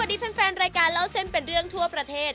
แฟนรายการเล่าเส้นเป็นเรื่องทั่วประเทศ